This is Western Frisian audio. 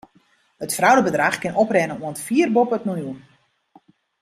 It fraudebedrach kin oprinne oant fier boppe it miljoen.